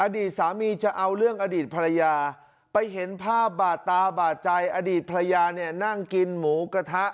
อดีตสามีจะเอาเรื่องอดีตภรรยาไปเห็นภาพบาดตาบาดใจอดีตภรรยาเนี่ยนั่งกินหมูกระทะ